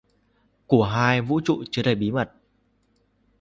của hai vũ trụ chứa đầy bí mật.